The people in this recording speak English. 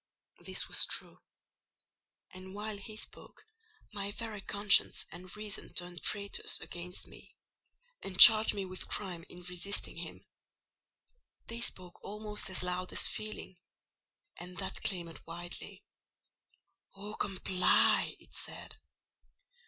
This was true: and while he spoke my very conscience and reason turned traitors against me, and charged me with crime in resisting him. They spoke almost as loud as Feeling: and that clamoured wildly. "Oh, comply!" it said.